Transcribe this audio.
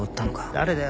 誰だよ？